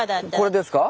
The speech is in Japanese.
これですか？